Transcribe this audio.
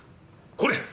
「これ！